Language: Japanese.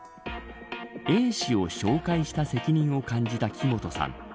Ａ氏を紹介した責任を感じた木本さん。